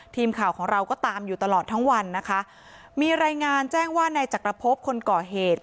ทีมข่าวของเราก็ตามอยู่ตลอดทั้งวันนะคะมีรายงานแจ้งว่านายจักรพบคนก่อเหตุ